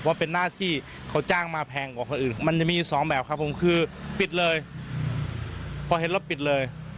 ว่าเป็นหน้าที่เขาจ้างมาแพงกว่าคนอื่นมันจะมีสองแบบครับผมคือปิดเลยพอเห็นรถปิดเลย